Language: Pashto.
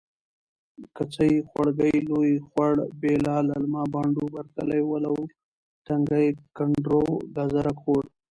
کڅۍ.خوړګۍ.لوی خوړ.بیله.للمه.بانډو.برکلی. ولو تنګی.کنډرو.ګازرک خوړ.